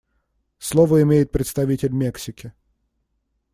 Слово имеет представитель Мексики.